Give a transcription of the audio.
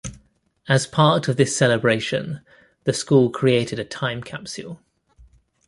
As part of this celebration, the school created a time capsule.